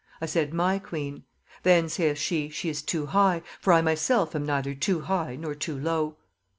I said, my queen. Then, saith she, she is too high, for I myself am neither too high nor too low.